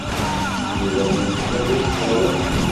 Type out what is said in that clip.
Yuba d anelmad asdawan.